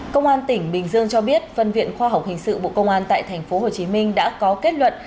công an tỉnh bình dương cho biết phân viện khoa học hình sự bộ công an tại tp hcm đã có kết luận